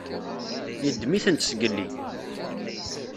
Yeddem-itent zgelli.